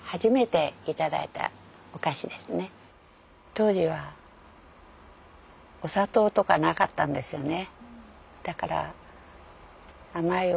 当時はお砂糖とかなかったんですよね。